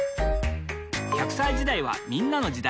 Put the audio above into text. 磽隠娃歳時代はみんなの時代。